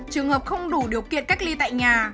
trường hợp không đủ điều kiện cách ly tại nhà